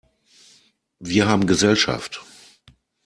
Wir haben Gesellschaft!